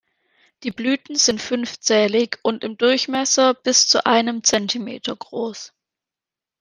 Die Blüten sind fünfzählig und im Durchmesser bis zu einem Zentimeter groß.